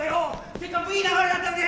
せっかくいい流れだったのに！